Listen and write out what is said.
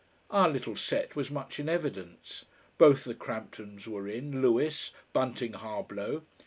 Our little set was much in evidence. Both the Cramptons were in, Lewis, Bunting Harblow.